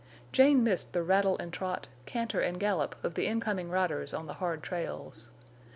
Jane missed the rattle and trot, canter and gallop of the incoming riders on the hard trails.